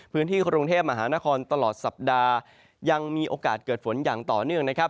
พื้นที่กรุงเทพมหานครตลอดสัปดาห์ยังมีโอกาสเกิดฝนอย่างต่อเนื่องนะครับ